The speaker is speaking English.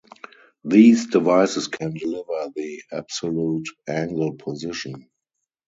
These devices can deliver the absolute angle position.